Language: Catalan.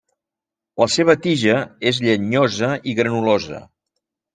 La seva tija és llenyosa i granulosa.